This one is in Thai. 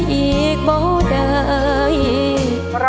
เชียร์ขอเปิดทีเดียวเลย